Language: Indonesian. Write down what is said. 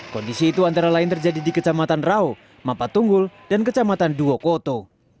kondisi itu antara lain terjadi di kecamatan rau mapattunggul dan kecamatan duokoto